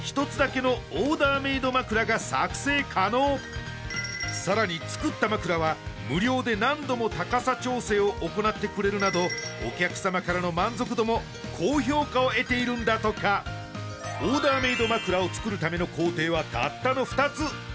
あらさらに作った枕は無料で何度も高さ調整を行ってくれるなどお客様からの満足度も高評価を得ているんだとかオーダーメイド枕を作るための工程はたったの２つ１時間ほどで